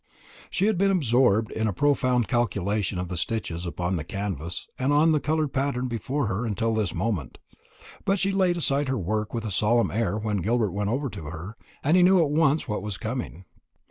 She had been absorbed in a profound calculation of the stitches upon the canvas and on the coloured pattern before her until this moment; but she laid aside her work with a solemn air when Gilbert went over to her, and he knew at once what was coming.